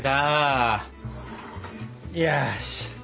よし。